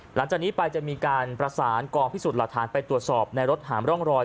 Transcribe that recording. หลังจากนี้ไปจะมีการประสานกองพิสูจน์หลักฐานไปตรวจสอบในรถหามร่องรอย